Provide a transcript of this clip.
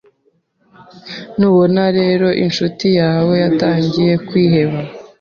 Nubona rero inshuti yawe yatangiye kwiheba